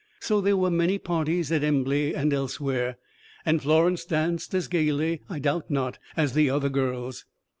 So there were many parties, at Embley and elsewhere, and Florence danced as gayly, I doubt not, as the other girls.